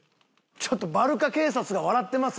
ちょっとバルカ警察が笑ってます